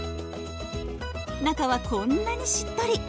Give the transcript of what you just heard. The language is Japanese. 中はこんなにしっとり。